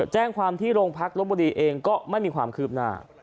แจ้งความที่โรงพักลบบุรีเองก็ไม่มีความคืบหน้า